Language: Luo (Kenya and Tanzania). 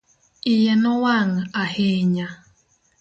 iye nowang' ahinya